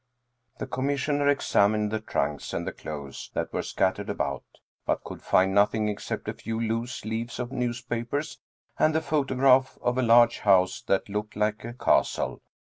The Commissioner examined the trunks and the clothes that were scattered about, but could find nothing except a few loose leaves of newspapers and the photograph of a large house that looked like a castle.